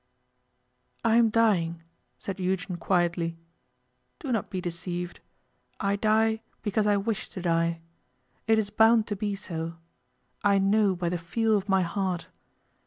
'I am dying,' said Eugen quietly. 'Do not be deceived. I die because I wish to die. It is bound to be so. I know by the feel of my heart.